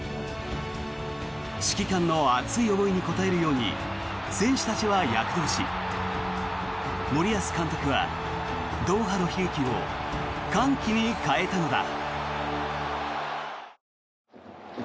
指揮官の熱い思いに応えるように選手たちは躍動し森保監督はドーハの悲劇を歓喜に変えたのだ。